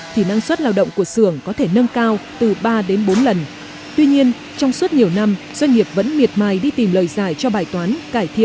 thì năng suất lao động của xưởng có thể năng suất thấp tạo ra ít sản phẩm và chất lượng còn hạn chế